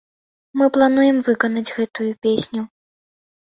Мы плануем выканаць гэтую песню.